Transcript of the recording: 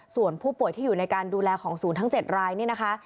ส่วนผู้ป่วยที่อยู่ในการดูแลของศูนย์ทั้ง๗รายนี่นะคะ